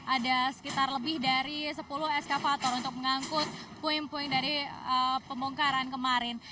ada sekitar lebih dari sepuluh eskavator untuk mengangkut puing puing dari pembongkaran kemarin